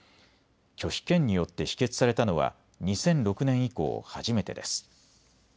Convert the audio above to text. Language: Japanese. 拒否権によって否決されたのは２００６年以降、初めてです。